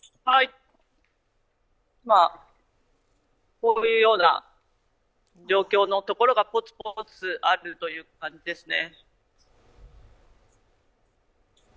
こういうような状況のところがポツポツあるという感じですね。